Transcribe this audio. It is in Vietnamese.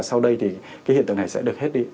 sau đây thì cái hiện tượng này sẽ được hết đi